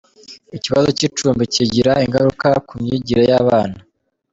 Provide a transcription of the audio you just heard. Ikibazo cy’icumbi kigira ingaruka ku myigire y’abana